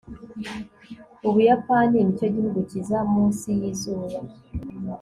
ubuyapani nicyo gihugu cyiza munsi yizuba